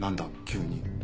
急に。